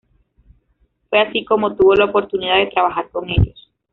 Fue así cómo tuvo la oportunidad de trabajar con ellos.